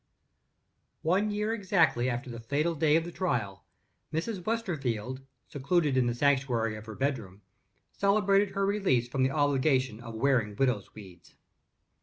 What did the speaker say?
One year exactly after the fatal day of the trial, Mrs. Westerfield (secluded in the sanctuary of her bedroom) celebrated her release from the obligation of wearing widow's weeds.